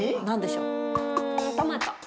何でしょう？